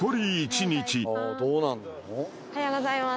おはようございます。